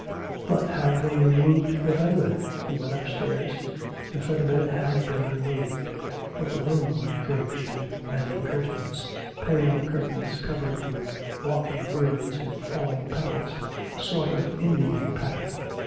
But had they removed the feather bed? He went upstairs. The feather bed had been removed. But the room was draped with many curtains pale curtains covered with walking birds and falling petals, a sort of Indian pattern.